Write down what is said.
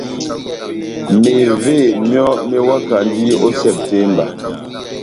Mevé myɔ́ mewakandi ó Sepitemba.